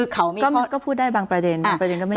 เขาก็พูดได้บางประเด็นบางประเด็นก็ไม่ได้